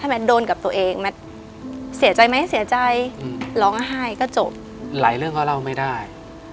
แมทโดนกับตัวเองแมทเสียใจไหมเสียใจร้องไห้ก็จบหลายเรื่องก็เล่าไม่ได้